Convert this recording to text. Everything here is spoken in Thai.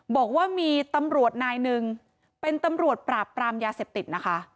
บอกว่ามีตำรวจนายหนึ่งเป็นตำรวจปราบปรามยาเสพติดนะคะ